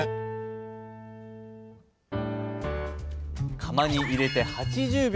釜に入れて８０秒。